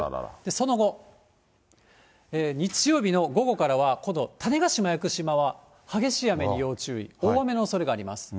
その後、日曜日の午後からは、今度種子島、屋久島は激しい雨に要注意、大雨のおそれがあります。